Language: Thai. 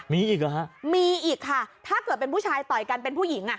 มีอีกเหรอฮะมีอีกค่ะถ้าเกิดเป็นผู้ชายต่อยกันเป็นผู้หญิงอ่ะ